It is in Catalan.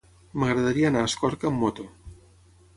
M'agradaria anar a Escorca amb moto.